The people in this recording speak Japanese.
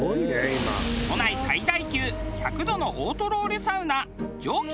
都内最大級１００度のオートロウリュサウナ蒸喜